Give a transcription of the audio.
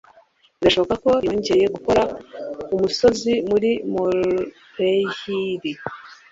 Birashoboka ko yongeye gukora umusozi muri molehill.